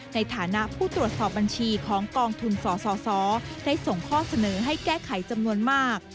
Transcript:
ในฐานะผู้ตรวจสอบบัญชีของกองทุนสสได้ส่งข้อเสนอให้แก้ไขจำนวนมาก